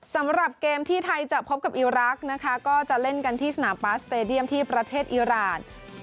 สำหรับเกมที่ไทยจะพบกับอีรักษ์นะคะก็จะเล่นกันที่สนามปาสเตดียมที่ประเทศอิราณ